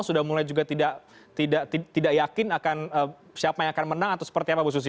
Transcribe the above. sudah mulai juga tidak yakin akan siapa yang akan menang atau seperti apa bu susi